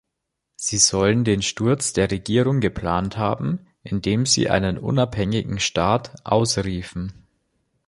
Sie sollen den Sturz der Regierung geplant haben, indem sie einen unabhängigen Staat ausriefen.